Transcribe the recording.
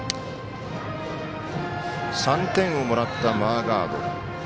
３点をもらったマーガード。